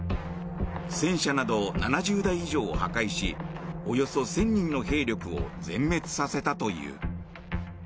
戦車など７０台以上を破壊しおよそ１０００人の兵力を全滅させたという。